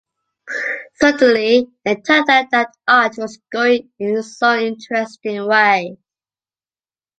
Suddenly, it turned out that art was going in it’s own interesting way.